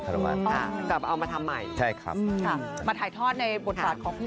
ขาระวานอ๋อกลับเอามาทำใหม่ใช่ครับอืมครับมาถ่ายทอดในบทศาสตร์ของพี่